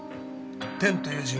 天という字が。